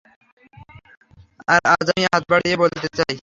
আর আজ আমি হাত বাড়িয়ে বলতে চাই।